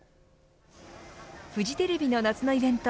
フジテレビ夏のイベント